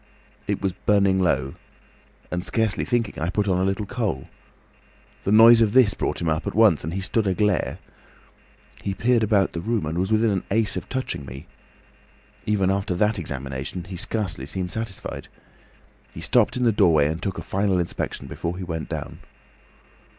It was burning low, and scarcely thinking, I put on a little coal. The noise of this brought him up at once, and he stood aglare. He peered about the room and was within an ace of touching me. Even after that examination, he scarcely seemed satisfied. He stopped in the doorway and took a final inspection before he went down.